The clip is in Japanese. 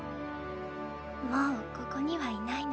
もうここにはいないの。